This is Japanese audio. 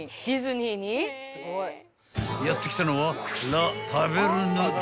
［やって来たのは］